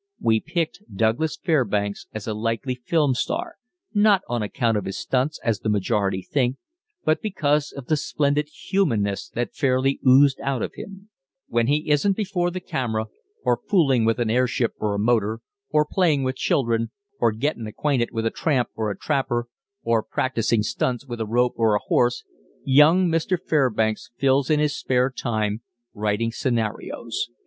We picked Douglas Fairbanks as a likely film star, not on account of his stunts, as the majority think, but because of the splendid humanness that fairly oozed out of him." [Illustration: A Close Up (Lumiere)] When he isn't before the camera, or fooling with an airship or a motor, or playing with children, or "gettin' acquainted" with a tramp or a trapper, or practising stunts with a rope or a horse, young Mr. Fairbanks fills in his spare time writing scenarios.